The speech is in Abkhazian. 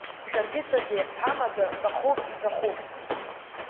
Шәаргьы-саргь ҳамаӡа ҵәахуп, иҵәахуп!